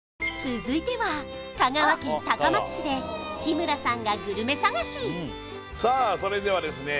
続いては香川県高松市で日村さんがグルメ探しさあそれではですね